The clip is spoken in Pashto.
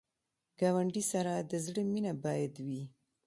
ګاونډي سره د زړه مینه باید وي